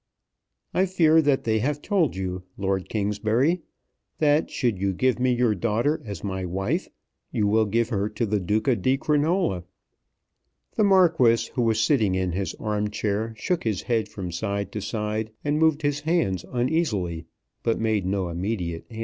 "I fear that they have told you, Lord Kingsbury, that should you give me your daughter as my wife, you will give her to the Duca di Crinola." The Marquis, who was sitting in his arm chair, shook his head from side to side, and moved his hands uneasily, but made no immediate reply.